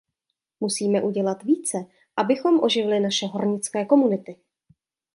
Musíme udělat více, abychom oživili naše hornické komunity.